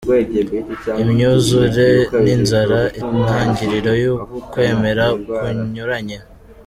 Imyuzure n’ inzara, intangiriro y’ukwemera kunyuranye.